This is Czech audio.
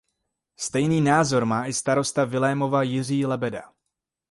Stejný názor má i starosta Vilémova Jiří Lebeda.